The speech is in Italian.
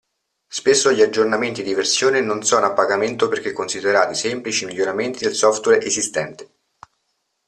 Spesso gli aggiornamenti di versione non sono a pagamento perché considerati semplici miglioramenti del software esistente.